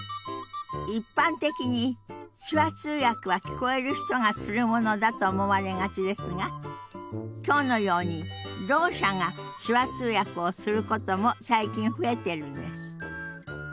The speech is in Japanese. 一般的に手話通訳は聞こえる人がするものだと思われがちですが今日のようにろう者が手話通訳をすることも最近増えてるんです。